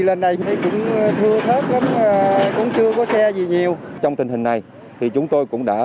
lên đây cũng thưa thớt lắm cũng chưa có xe gì nhiều trong tình hình này thì chúng tôi cũng đã